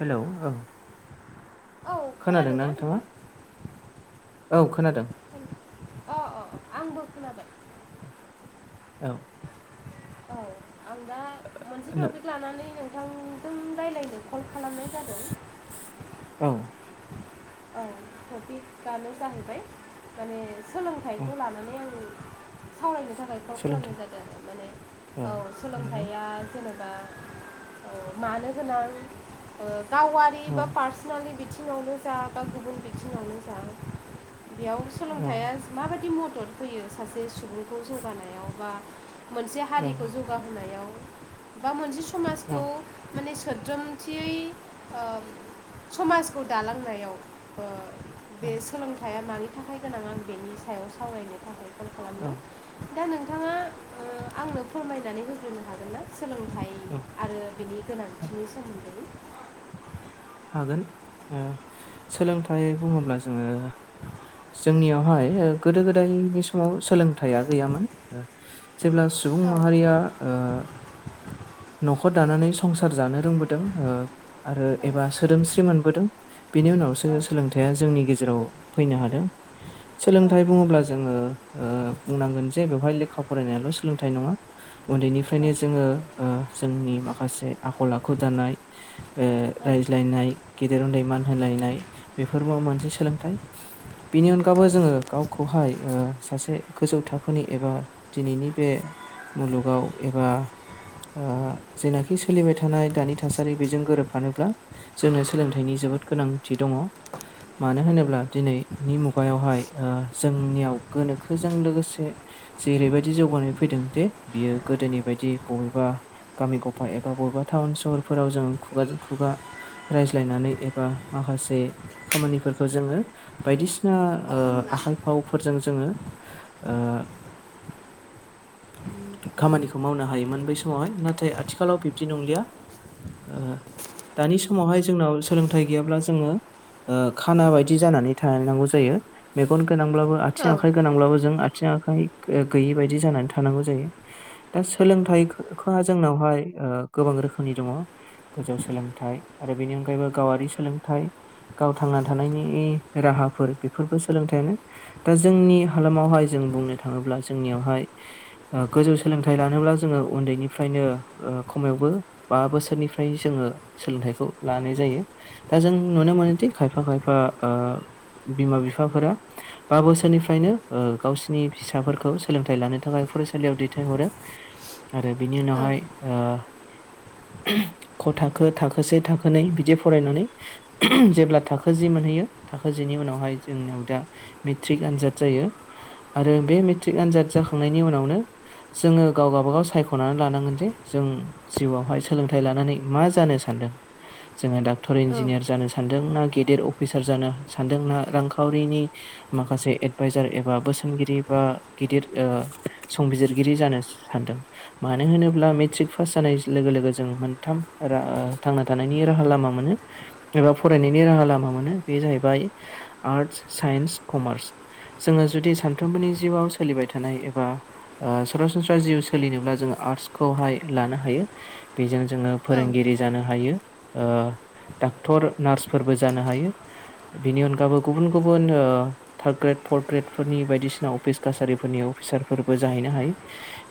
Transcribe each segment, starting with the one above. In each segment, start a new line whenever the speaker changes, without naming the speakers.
हेल' औ खोनादोंना नोंथाङा औ खोनादों
अ' अ' आंबो खोनाबाय
औ
औ आं दा मोनसे
नो
टपिक लानानै नों थांजों रायज्लायनो कल खालामनाय जादों
औ
औ टपिक आनो जाहैबाय माने
औ
सोलोंथाइखौ लानानै आं सावरायनो थाखाय कल खालामनाय
सोलोंथाइ
जादों माने औ
नंगौ
सोलोंथाइआ जेनेबा ओ मानो गोनां ओ गावारि
औ
बा पार्सनालि बिथिङावनो जा बा गुबुन बिथिङावनो जा बेयाव
औ
सोलोंथाइआ मा बादि मदद होयो सासे सुबुंखौ जौगानायाव बा मोनसे
औ
हारिखौ जौग गाहोनायाव बा मोनसे
औ
समाजखौ माने सोद्रोमथियै ओ समाजखौ दालांनाय याव बे सोलोंथाइआ मानि थाखाय गोनां आं बेनि सायाव सावरायनो थाखाय फन
औ
खालामदों दा नोंथाङा ओ आंनो फोरमायनानै होग्रोनो हागोन ना सोलोंथाइ
औ
आरो बिनि गोनांथिनि सोमोन्दै
हागोन ओ सोलोंथाइ बुङोब्ला जोङो जोंनियावहाय ओ गोदो गोदायनि समाव सोलोंथाइआ गैयामोन ओ जेब्ला
लांदां
सुबुं माहारिया ओ न'खर दानानै संसार जानो रोंबोदों ओ आरो एबा सोदोमस्रि मोनबोदों बेनि उनावसो सोलोंथाइआ जोंनि गेजेराव फैनो हादों सोलोंथाइ बुङोब्ला जोङो ओ बुंनांगोन जे बेवहाय लेखा फरायनायाल' सोलोंथाइ नङा उन्दैनिफ्रायनो जोङो ओ जोंनि माखासे आखल आखु दानाय ओ रायज्लायनाय गेदेर उन्दै मान होलायनाय बेफोरबो मोनसे सोलोंथाइ बिनि अनगाबो जोङो गावखौहाय ओ सासे गोजौ थाखोनि एबा दिनैनि बे मुलुगाव एबा ओ जेनाखि सोलिबाय थानाय दानि थासारि बेजों गोरोब फानोब्ला जोंनो सोलोंथाइनि जोबोद गोनांथि दङ मानो होनोब्ला दिनैनि मुगायावहाय ओ जोंनियाव गोनोखोजों लोगोसे जेरैबायदि जौगानाय फैदों दे बियो गोदोनि बायदि बबेबा गामि गफा एबा बबेबा टाउन सहरफोराव जों खुगाज खुगा रायज्लायनानै एबा माखासे खामानिफोरखौ जोङो बायदिसिना ओ आखाइ फाव फोरजों जोङो ओ खामानिखौ मावनो हायोमोन बै समावहाय नाथाय आथिखालाव बिब्दि नंलिया ओ दानि समावहाय जोंनाव सोलोंथाइ गैयाब्ला जोङो खाना बादि जानानै थनांगौ जायो। मेगन गोनांब्लाबो, आथिं आखाइ गोनांब्लाबो जों आथिं आखाइ गैयि बायदि जानानै थानांगौ जायो। दा सोलोंथाइखोखोहा जोंनावहाय गोबां रोखोमनि दङ। गोजौ सोलोंथाइ आरो बेनि अनगायैबो गावारि सोलोंथाइ। गाव थांना थानायनि राहाफोर बेफोरबो सोलोंथाइयानो। दा जोंनि हालामावहाय जों बुंनो थाङोब्ला जोंनियावहाय गोजौ सोलोंथाइ लानोब्ला जोङो उन्दैनिफ्रायनो खमावबो बा बोसोरनिफ्राय फ्राय जोङो सोलोंथाइखौ लानाय जायो। दा जों नुनो मोनोदि खायफा खायफा बिमा बिफाफोरा बा बोसोरनिफ्रायनो गावसिनि फिसाफोरखौ सोलोंथाइ लानो थाखाय फरायसालियाव दैथायहरो। आरो बिनि उनावहाय ख' थाखो थाखोसेे थाखोनै बिदि फरायनानै जेब्ला थाखो जि मोनहैयो, थाखो जिनि उनावहाय जोंनियाव दा मेट्रिक आनजाद जायो आरो बे मेट्रिक आनजाद जाखांनायनि उनावनो जोङो गाव गबागाव सायख'नानै लानांगोन जे जों जिउआवहाय सोलोंथाइ लानानै मा जानो सानदों? जोङो डाक्टर इन्जिनियार जानो सान सानदोंना, गेदेर अफिसार जानो सानदोंना, रांखावरिनि माखासे एडभाइजार एबा बोसोनगिरि बा गिदिर संबिजिरगिरि जानो सानदों मानो होनोब्ला मेट्रिक पास जानाय लोगो लोगो जों मोनथाम थांना थानायनि राहा लामा मोनो। एबा फरायनायनि राहा लामा मोनो। बे जाहैबाय आर्टस, साइन्स, कमार्स। जोङो जुदि सानफ्रोमबोनि जिउआव सोलिबाय थानाय एबा सरासनस्रा जिउ सोलिनोब्ला जोङो आर्टसखौहाय लानो हायो। बेजों जोङो फोरोंगिरि जानो हायो। डाक्टर नार्सफोरबो जानो हायो। बेनि अनगाबो गुबुन गुबुन ओ थार्द ग्रेड फर्थ ग्रेड फोरनि बायदिसिना अफिस कासारिफोरनि अफिसारफोरबो जाहैनो हायो।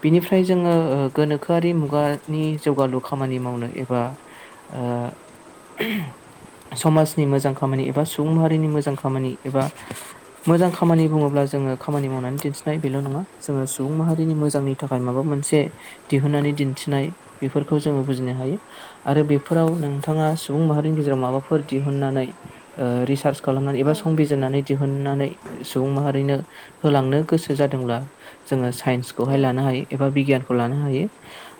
बिनिफ्राय जोङो गोनोखोआरि मुगानि जौगालु खामानि मावनो एबा ओ समाजनि मोजां खामानि एबा सुबुं माहारिनि मोजां खामानि एबा मोजां खामानि बुङोब्ला जोङो खामानि मावनानै दिन्थिनाय बेल' नङा जोङो सुबुं माहारिनि मोजांनि थाखाय माबा मोनसे दिहुननानै दिन्थिनाय बेफोरखौ जोङो बुजिनो हायो। आरो बेफोराव नोंथाङा सुबुं माहारिनि गेजेराव माबाफोर दिहुननानै रिसार्च खालामनानै एबा संबिजिरनानै दिहुननानै सुबुं माहारिनो होलांनो गोसो जादोंब्ला जोङो सानइस खौहाय लानो हायो एबा बिगियानखौ लानो हायो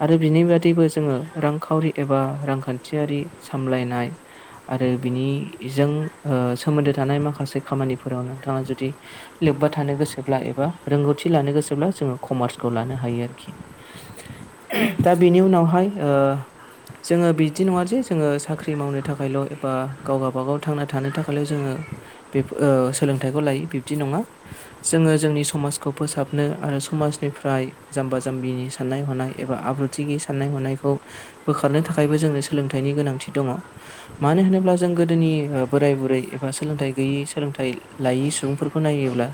आरो बिनि बादैबो जोङो रांखावरि एबा रांखान्थियारि सामलायनाय आरो बिनिजों सोमोन्दो थानाय माखासे खामानिफोराव नोंथाङा जुदि लोब्बा थानो गोसोब्ला एबा रोंगौथि लानो गोसोब्ला जोङो कमार्सखौ लानो हायो आरोखि।
[inaudible]
दा बेनि उनावहाय ओ जोङो बिदि नङा जे जोङो साख्रि मावनो थाखायल' एबा गाव गाबागाव थांना थानो थाखायल' जोङो बेफो ओ सोलोंथाइखौ लायो बिब्दि नङा। जोङो जोंनि समाजखौ फोसाबनो आरो समाजनिफ्राय जाम्बा जाम्बिनि साननाय हनाय एबा आब्रु थि साननाय हनायखौ बोखारनो थाखायबो जोंनो सोलोंथाइनि गोनांथि दङ। मानो होनोब्ला जों गोदोनि बोराय बुरै एबा सोलोंथाइ गैयि सोलोंथाइ लायै सुबुंफोरखौ नायोब्ला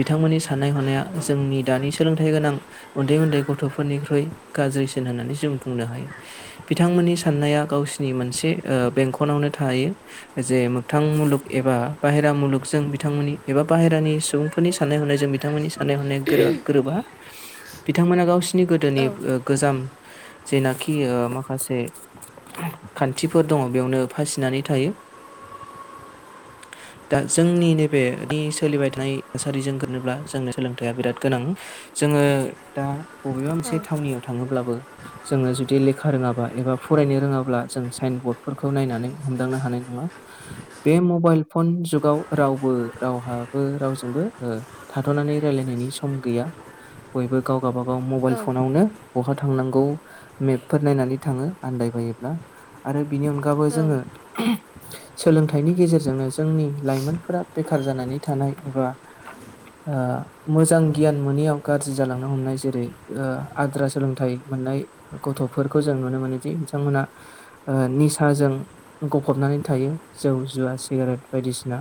बिथांमोननि साननाय हनाया जोंनि दानि सोलोंथाइ गोनां उन्दै उन्दै गथ'फोरनिख्रुइ गाज्रिसिन होननानै जों बुंनो हायो। बिथांमोननि साननाया गावसिनि मोनसे बेंख'नावनो थाहैयो। जे मोगथां मुलुग एबा बाहेरा मुलुगजों बिथांमोननि एबा बाहेरानि सुबुं फोरनि साननाय हनाय जों बिथांमोननि साननाय हनाया गोरोबा गोरोबा बिथांमोना गावसिनि गोदोनि ओ गोजाम जेनाखि ओ माखासे खान्थिफोर दङ' बेयावनो फासिनानै थायो।
[inaudible]
दा जोंनि नैबेनि सोलिबाय थानाय थासारिजों गोनोब्ला जोंनो सोलोंथाइया बिराद गोनां। जोङो दा बबेबा मोनसे थावनियाव थाङोब्लाबो जोङो जु दि लेखा रोङाबा एबा फरायनो रोङाब्ला जों साइन बरर्डफोरखौ नायनानै हमदांनो हानाय नङा। बे मबाइल फन जुगाव रावबो रावहाबो रावजोंबो ओ थाथ'नानै रायलायनायनि सम गैया। बयबो गाव गाबागाव मबाइल फनावनो बहा थांनांगौ मेपफोर नायनानै थाङो आन्दायबायोब्ला आरो बिनि अनगाबो जोङो
[inaudible]
सोलोंथाइनि गेजेरजोंनो जोंनि लाइमोनफोरा बेखार जानानै थानाय एबा ओ मोजां गियान मोनैयाव गाज्रि जालांनो हमनाय जेरै ओ आद्रा सोलोंथाइ मोननाय गथ'फोरखौ जों नुनो मोनोदि बिथांमोना ओ निसाजों गफबनानै थायो जौ जुवा सिगारेट बायदिसिना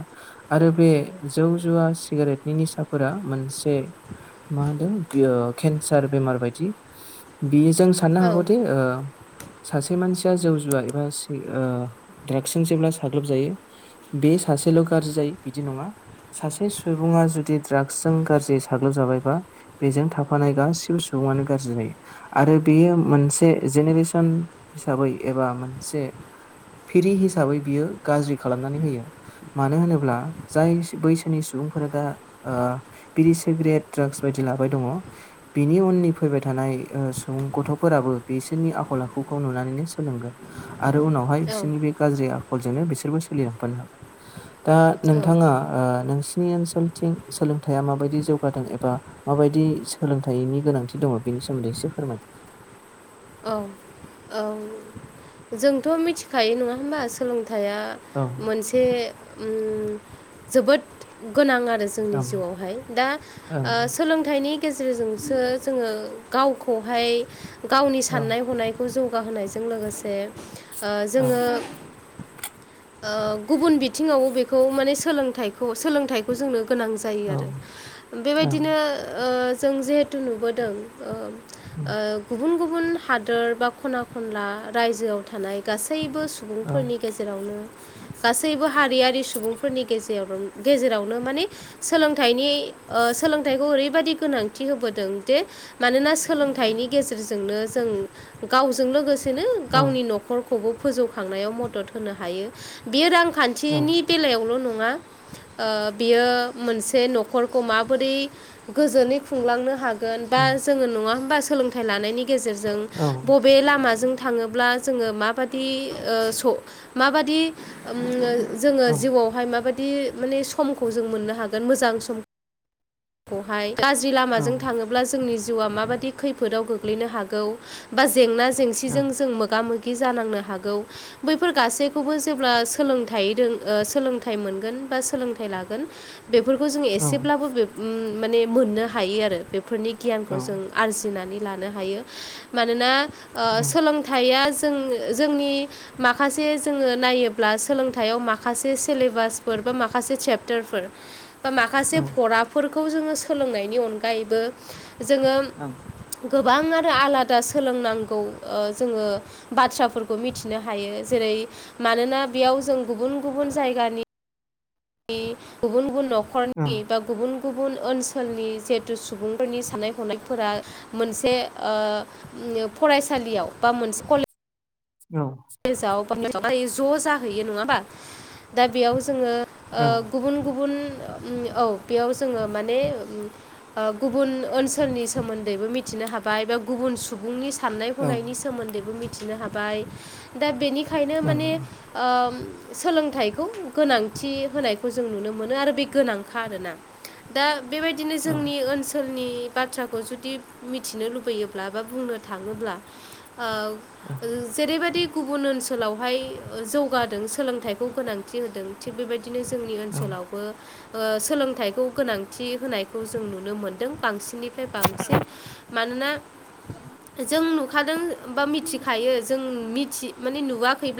आरो बे जौ जुवा सिगारेटनि निसाफोरा मोनसे मा दों बियो केन्सार बेमार बायदि बेजों साननो हागौ दि ओ सासे मानसिया जौ जुवा एबा सि ओ द्राग्सजों जेब्ला साग्लोबजायो बे सासेल' गाज्रि जायो बिदि नङा सासे सुबुङा जुदि ड्राग्सजों गाज्रि साग्लोबजाबायबा बेजों थाफानाय गासिबो सुबुङानो गाज्रि जायो आरो बेयो मोनसे जेनेरेसन हिसाबै एबा मोनसे फिरि हिसाबै बियो गाज्रि खालामनानै होयो। मानो होनोब्ला जाय बैसोनि सुबुंफोरा दा ओ बिरि सिगारेट ड्रागस बायदि लाबाय दङ' बिनि उननि फैबाय थानाय ओ सुबुं गथ'फोराबो बिसोरनि आखल आखुखौ नुनानैनो सोलोंगोन आरो उनावहाय
औ
बिसोरनि बे गाज्रि आखलजोंनो बिसोरबो सोलिलांफानो हागोन दा
औ
नोंथाङा ओ नोंसिनि ओनसोलथिं सोलोंथाइया माबायदि जौगादों एबा माबायदि सोलोंथाइनि गोनांथि दङ' बेनि सोमोन्दै एसे फोरमाय?
औ औ जोंथ' मिथिखायो नङा होमबा सोलोंथाइया
औ
मोनसे उम जोबोद गोनां आरो
औ
जोंनि जिउआवहाय दा
ओं
ओ सोलोंथाइनि गेजेरजोंसो जोङो गावखौहाय गावनि
औ
साननाय हनाय खौ जौगाहोनायजों लोगोसे ओ
औ
जोङो ओ गुबुन बिथिङावबो बेखौ माने सोलोंथाइखौ सोलोंथाइखौ जोंनो गोनां जा जायो
औ
आरो
ओं
बेबायदिनो ओ जों जेहेथु नुबोदों ओ
उम
ओ गुबुन गुबुन हादोर बा खना खनला रायजोआव थानाय गासैबो सु
औ
सुबुंफोरनि गेजेरावनो गासैबो हारियारि सुबुंफोरनि गेजेर गेजेरावनो माने सोलोंथाइनि ओ सोलोंथाइखौ ओरैबायदि गोनांथि होबोदों जे मानोना सोलोंथाइनि गेजेरजोंनो जों गावजों लोगोसेनो
औ
गावनि न' खरखौबो फोजौखांनायाव मदद होनो हायो बेयो रां
औ
खान्थिनि बेलायावल' नङा ओ बियो मोनसे न'खरखौ माबोरै गोजोनै खुंलांनो हा गोन बा
उम
जोङो नङा होमबा सोलोंथाइ लानायनि गेजेरजों
औ
बबे लामाजों थाङोब्ला जोङो माबादि ओ स' माबादि उम जोङो
औ
जिउआवहाय माबादि माने समखौ जों मोननो हागोन मोजां सम खौहाय गाज्रि
औ
लामाजों थाङो जोंनि जिउआ माबाददि खैफोदाव गोग्लैनो हागौ बा जेंना
ओं
जेंसिजों जों मोगा मोगि खि जानांनो हागौ बैफोर गासैखौबो जेब्ला सोलोंथाइ द सोलोंथाइ मोनगोन बा सोलोंथाइ लागोन बेफोरखौ जोङ एसेब्लाबो माने मोननो हायो आरो बेफोरनि
औ
गियानखौ जों आरजिनानै लानो हायो मानोना
उम
सोलोंथ थाया जों जोंनि माखासे जोङो नायोब्ला सोलोंथायाइयाव माखासे सिलेबासफोर बा माखासे चेपटारफोर बा माखासे
औ
भराफोरखौ जोङो सोलोंनायनि अनगायैबो जोङो
औ
गोबां आरो आलादा सोलोंनांगौ जोङो बाथ्राफोरखौ मिथिनो हायो जेरै मानोना बेयाव जों गुबुन गुबुन जायगानि गुबुन गुबुन
ओं
न'खरनि बा गुबुन गुबुन ओनसोलनि जिहेथु सुबुंफोरनि साननाय मोनसे फरायसालियावा मोनसे कले
औ
जावाब ज' जाहैयो नङाबा दा बेयाव जोङो
औ
गुबुन गुबुन औ बेयाव जोङो माने गुबुन ओनसोलनि सोमोन्दैबो मिथिनो हाबाय बा गुबुन सुबुंनि साननाय हनायनि सोमोन्दैबो मिथिनो हाबाय दा बेनिखायनो
ओं
माने ओ सोलोंथाइखौ गोनांथि होनायखौ जों नुनो मोनो आरो बे गोनांखा आरोना दा बेबायदिनो
औ
जोंनि ओनसोल ओनसोलनि बाथ्राखौ जुदि मिथिनो लुबैयोब्ला बा बुंनो थाङोब्ला जेरै बायदि गुबुन ओनसोलावहाय जौगादों सोलोंथाइखौ गोनांथि होदों थिग बेबायदि बिदिनो जोंनि
ओं
ओनसोलावबो सोलोंथाइखौ गोनांथि होनायखौ जों नुनो मोनदों बांसिन ब निफ्राय बांसिन मानोना जों नुखादों बा मिथिखायो जों मिथि माने नुवाखै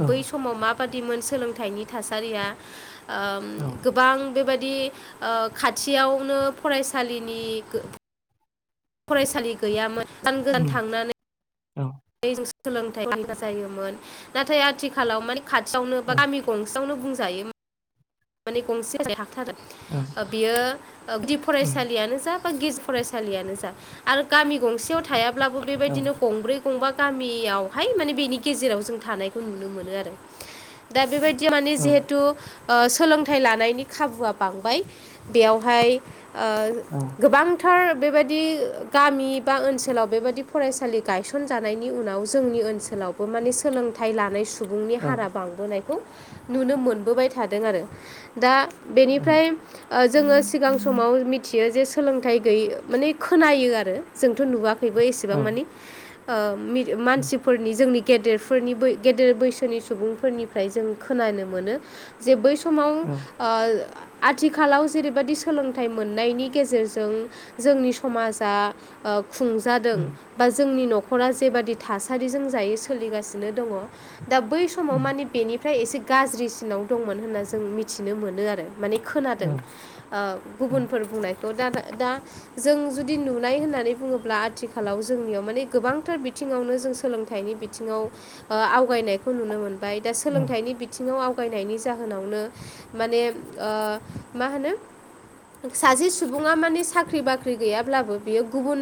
ओं
बादिमोन सोलोंथाइनि थासारिया
औ
गोबां बेबायदि खाथियावनो फरायसालिनि फरायसालि गैयामोन गोदान गोजान
उम
थांनानै
औ
सोलोंथ जायोमोन नाथाय आथिखालाव माने खाथियावनो
औ
बा गामि गंसेयावनो बुंजायो माने गंसे जाय हाथथार
औ
बियो गुदि फरायसालियानो जा बा गेजेर फरायसालियानो जा आरो गामि गंसेयाव थायाब्लाबो
औ
बेबायदिनो गंब्रै फंबा गामियावहाय माने बेनि गेजेराव जों थानायखौ नुनो मोनो आरो दा बेबायदि माने जिहेतु ओ सोलोंथाइ लानायनि खाबुआ बांबाय बेयावहाय
औ
गोबांथार बेबायदि गामि बा ओनसोलाव बेबायदि फरायसालि गायसन सन जानायनि उनाव जोंनि ओनसोलावबो माने सोलोंथाइ लानाय सुबुंनि
औ
हारा बांबोनायखौ नुनो मोनबोबाय थादों आरो दा
ओं
बेनिफ्राय जोङो सिगां समाव मिथियो जे सोलोंथाइ गैय माने खोनायो आरो जोंथ' नुवाखैबो एसेबां मानि
औ
मानसिफोरनि जोंनि गेदेरफोरनि ब गेदेर बैसोनि सुबुंफोरनिफ्राय जों खोनानो मोनो जे बै सम समाव ओ आथिखालाव जेरैबायदि सोलोंथाइ मोननायनि गेजेरजों जोंनि समाजा खुंजादों बा जोंनि न'खरा जेबादि थासारिजों जायै सोलिगासिनो दङ। दा बै समाव मानि बेनिफ्राय एसे गाज्रिसिनाव दंमोन होनना जों मिथिनो मोनो आरो। माने खोनादों गुबुनफोर बुंनायखौ दा दा जों जुदि नुनाय होननानै बुङोब्ला आथिखालाव जोंनियाव माने गोबांथार बिथिङावनो जों सोलोंथाइनि बिथि बिथिङाव आवगायनायखौ नुनो मोनदों। दा सोलोंथाइनि बिथिङाव आवगायनायनि जाहोनावनो माने मा होनो ओ सासे सुबुङा माने साख्रि बाख्रि गैयाब्लाबो बियो गुबुन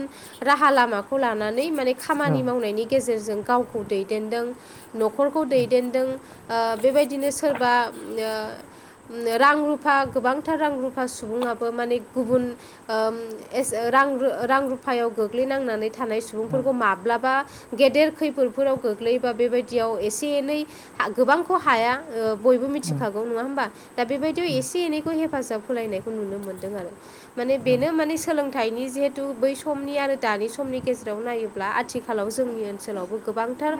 राहा लामाखौ खौ लानानै माने खामानि मावनायनि गेजेरजों गावखौ खौ दैदेनदों न'खरखौ दैदेनदों ओ बेबायदिनो सोरबा ओ रां रुफा गोबांथार रां रुफा सुबुङाबो माने गुबुन रां रां रुफायाव गोग्लैनांनानै थानाय सुबुंफोरखौ माब्लाबा गेदेर खैफोदफोराव गोग्लैयोबा बेबायदियाव एसे एनै गोबांखौ हाया ओ बयबो मिथिखागौ नङा होमबा दा बेबायदियाव एसे एनैखौ हेफाजाब होलायनाय नुनो मोनदों आरो मान बेनो माने सोलोंथाइनि जिहेथु बै समनि आरो दानि समनि गेजेराव नायोब्ला आथिखालाव जोंनि ओनसोलावबो गोबांथार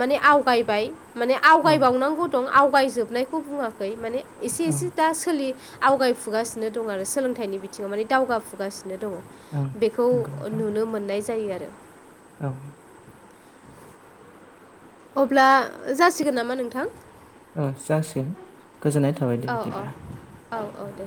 माने आवगायबाय। माने
औ
आवगायबावनांगौ दं आवगायजोबनायखौ बुङाखै माने एसे
औ
एसे दा सोलि आवगायफुगासिनो दं आरो सोलोंथाइनि बिथिङाव माने दावगाफुगासिनो दं।
औ
बेखौ
नंगौ नोंथां
नुनो मोननाय जायो आरो।
औ।
अब्ला जासिगोन नामा नोंथां?
जासिगोन गोजोननाय थाबाय दे
औ
बिदिब्ला
औ औ औ दे।